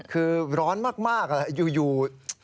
คือร้อนมากอยู่